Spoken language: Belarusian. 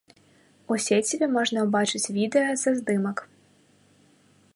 У сеціве можна ўбачыць відэа са здымак.